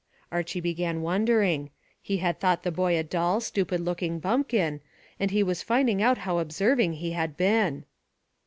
Archy began wondering. He had thought the boy a dull, stupid looking bumpkin, and he was finding out how observing he had been.